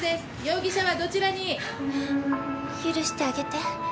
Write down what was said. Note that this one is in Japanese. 容疑者はどちらに？許してあげて。